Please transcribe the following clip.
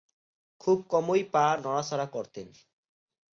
খুব কমই পা নড়াচড়া করতেন।